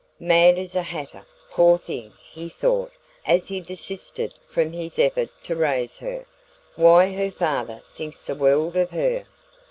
"Mad as a hatter, poor thing," he thought, as he desisted from his effort to raise her. "Why, her father thinks the world of her!"